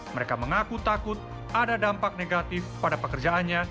mereka mengaku takut ada dampak negatif pada pekerjaannya